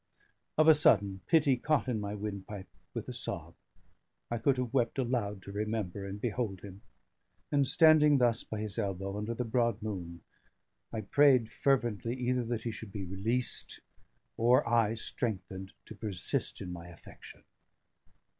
Of a sudden, pity caught in my wind pipe with a sob; I could have wept aloud to remember and behold him; and standing thus by his elbow, under the broad moon, I prayed fervently either that he should be released, or I strengthened to persist in my affection.